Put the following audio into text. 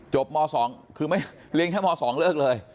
จบม๒คือเลี้ยงให้ม๒เลิกเลย